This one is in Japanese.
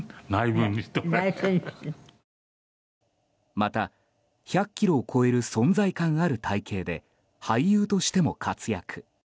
また、１００ｋｇを超える存在感ある体形で俳優としても活躍。